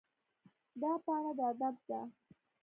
دا پاڼه د ادب ده.